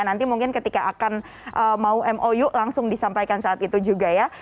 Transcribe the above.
nanti mungkin ketika akan mau mou langsung disampaikan saat itu juga ya